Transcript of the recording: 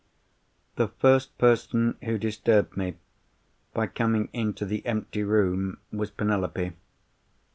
"The first person who disturbed me by coming into the empty room was Penelope.